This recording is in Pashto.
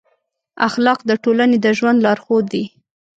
اخلاق د ټولنې د ژوند لارښود دي.